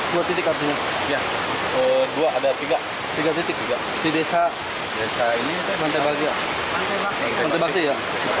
dua titik artinya ya ke dua ada tiga tiga titik juga di desa desa ini teman teman dia